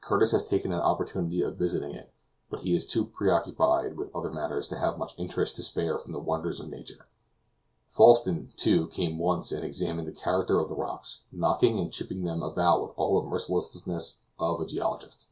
Curtis has taken an opportunity of visiting it, but he is too preoccupied with other matters to have much interest to spare for the wonders of nature. Falsten, too, came once and examined the character of the rocks, knocking and chipping them about with all the mercilessness of a geologist.